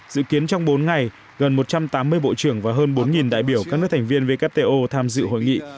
dự kiến trong bốn ngày gần một trăm tám mươi bộ trưởng và hơn bốn đại biểu các nước thành viên wto tham dự hội nghị